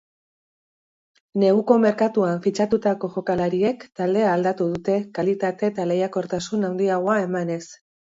Neguko merkatuan fitxatutako jokalariek taldea aldatu dute, kalitate eta lehiakortasun handiagoa emanez.